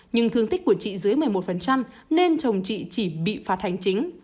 nhưng thương tích của chị dưới một mươi một nên chồng chị chỉ bị phạt hành chính